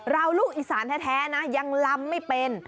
ลูกอีสานแท้นะยังลำไม่เป็น